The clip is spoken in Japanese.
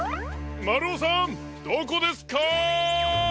まるおさんどこですか？